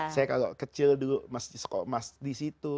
saya kalau kecil dulu mas di sekolah mas di situ